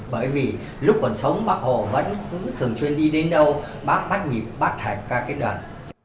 bởi vì lúc còn sống bác hồ vẫn thường chuyên đi đến đâu bác bắt nhịp bác hãy ca cái đoàn